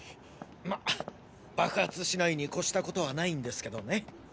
ま爆発しないに越したことはないんですけどね。